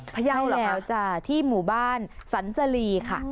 พยาวแล้วจ้ะที่หมู่บ้านสันสลีค่ะ